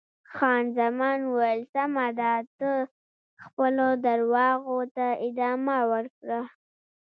خان زمان وویل: سمه ده، ته خپلو درواغو ته ادامه ورکړه.